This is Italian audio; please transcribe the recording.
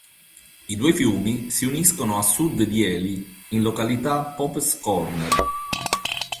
I due fiumi si uniscono a sud di Ely, in località "Pope's Corner".